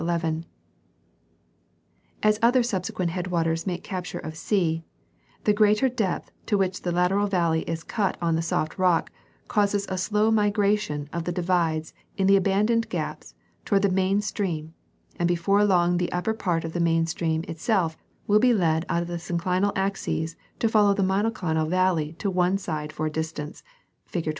11, As other sub sequent headwaters make capture of C, the greater depth to which the lateral valley is cut on the soft rock causes a slow migration of the divides in the abandoned gaps towards the main stream, and before long the upper part of the main stream itself will be led out of the synclinal axis to follow the monoclinal valley at one side for a distance, fig.